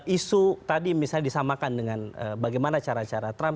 isu tadi misalnya disamakan dengan bagaimana cara cara trump